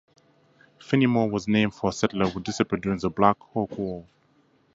Fennimore was named for a settler who disappeared during the Black Hawk War.